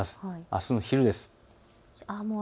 あすの昼です。